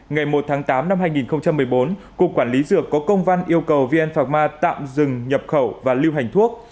ngày một tháng tám năm hai nghìn một mươi bốn cục quản lý dược có công văn yêu cầu vn phạc ma tạm dừng nhập khẩu và lưu hành thuốc